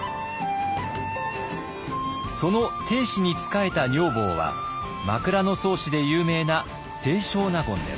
その定子に仕えた女房は「枕草子」で有名な清少納言です。